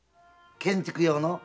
建築用の？